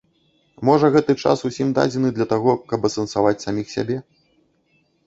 Можа, гэты час усім дадзены для таго, каб асэнсаваць саміх сябе.